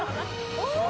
お！